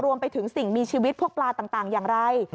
รวมไปถึงสิ่งมีชีวิตพวกปลาต่างอย่างไร